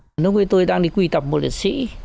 lúc ấy tôi đang đi quy tập một liệt sĩ